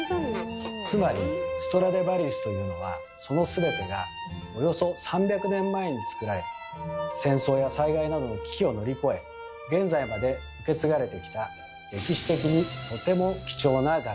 つまりストラディヴァリウスというのはその全てがおよそ３００年前に作られ戦争や災害などの危機を乗り越え現在まで受け継がれてきた歴史的にとても貴重な楽器なんです。